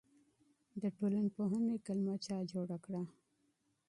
د ټولنپوهنې کلمه چا جوړه کړه؟